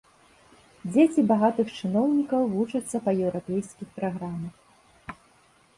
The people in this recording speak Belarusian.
Дзеці багатых чыноўнікаў вучацца па еўрапейскіх праграмах.